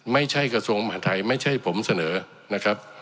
กระทรวงมหาทัยไม่ใช่ผมเสนอนะครับ